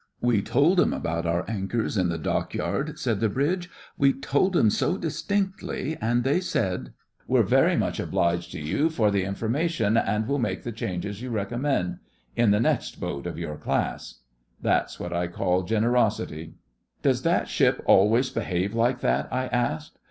'We told 'em about our anchors in the Dockyard,' said the bridge. 'We told 'em so distinctly, and they said: "We're very much obliged to you for the information, and we'll make the changes you recommend—in the next boat of your class." That's what I call generosity.' 'Does that ship always behave like that?' I asked.